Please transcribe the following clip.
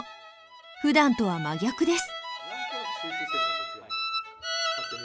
ふだんとは真逆です。